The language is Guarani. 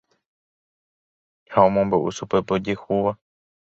Ha omombe'u chupe pe ojehúva.